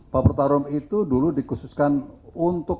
baper tarum itu dulu dikhususkan untuk